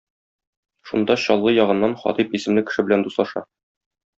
Шунда Чаллы ягыннан Хатыйп исемле кеше белән дуслаша.